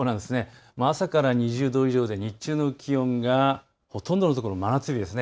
朝から２０度以上で日中の気温がほとんどのところ真夏日です。